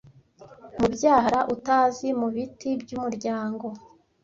Mubyara utazi, mubiti byumuryango